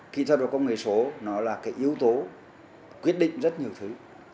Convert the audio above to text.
kỹ thuật và công nghệ số là yếu tố quyết định rất nhiều thứ